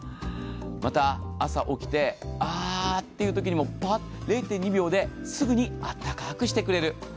また、朝起きてああっていうときにもパッ、０．２秒ですぐにあったかくしてくれる。